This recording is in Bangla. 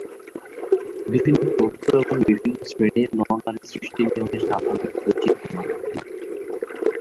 বিভিন্ন চরিত্র এবং বিভিন্ন শ্রেণীর নরনারী সৃষ্টি-নিয়মের স্বাভাবিক বৈচিত্র্য মাত্র।